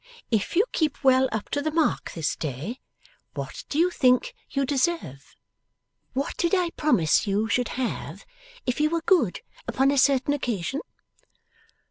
If you keep well up to the mark this day, what do you think you deserve? What did I promise you should have, if you were good, upon a certain occasion?